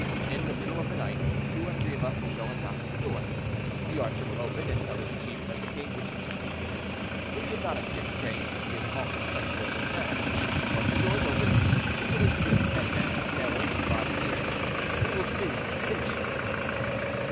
In the middle of the night, two or three of us will go and knock at the door; the archer will open, and tell his chief that the king wishes to speak to him, which would not appear strange, as he is often sent for in this manner. Once the door is open, we will introduce ten men—sailors who lodge near—who will soon finish him."